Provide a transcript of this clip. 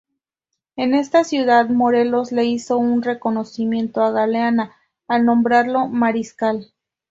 En esa ciudad Morelos le hizo un reconocimiento a Galeana al nombrarlo mariscal.